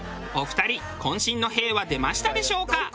お二人渾身の「へぇ」は出ましたでしょうか？